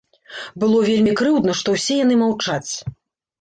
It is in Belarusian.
Было вельмі крыўдна, што ўсе яны маўчаць.